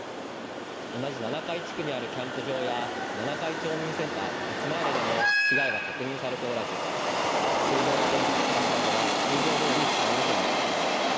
同じ七会地区にあるキャンプ場や七会町民センターアツマーレでも被害は確認されておらず水道や電気、ガスなどは通常どおり使えるということです。